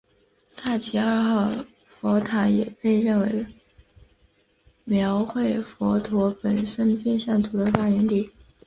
桑吉二号佛塔也被认定为描绘佛陀本生变相图的发源地。